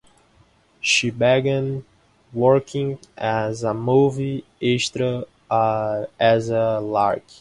She began working as a movie extra as a lark.